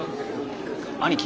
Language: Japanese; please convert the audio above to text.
兄貴！